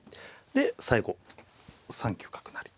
で最後３九角成。